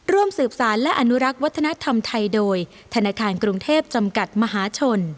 ร่วมสืบสารและอนุรักษ์วัฒนธรรมไทยโดยธนาคารกรุงเทพจำกัดมหาชน